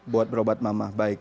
buat berobat mama baik